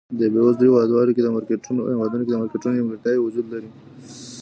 په بېوزلو هېوادونو کې د مارکېټ نیمګړتیاوې وجود لري.